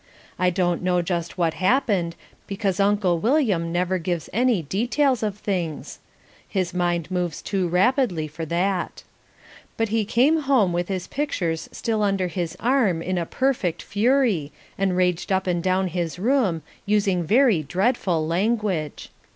I don't know just what happened because Uncle William never gives any details of things. His mind moves too rapidly for that. But he came home with his pictures still under his arm in a perfect fury and raged up and down his room, using very dreadful language.